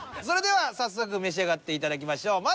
それでは早速召し上がっていただきましょう。